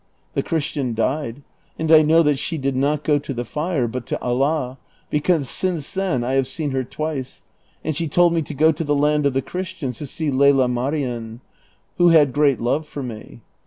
The Christian died, and I know that she did not go to the fire, but to Allah, because since then I have seen her twice, and slie told me to go to the land of the Christians to see i>ela Marien, who had great love for me.